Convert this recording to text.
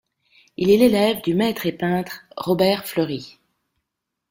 Il est l'élève du maître et peintre Robert-Fleury.